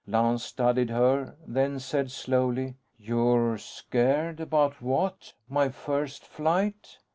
Lance studied her, then said slowly: "You're scared. About what? My first flight?"